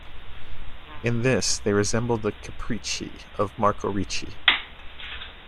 In this they resemble the "capricci" of Marco Ricci.